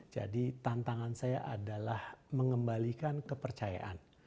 jadi tantangan saya adalah mengembalikan kepercayaan